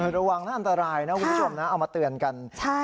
ระวังนะอันตรายนะคุณผู้ชมนะเอามาเตือนกัน